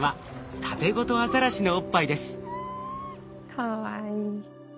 かわいい。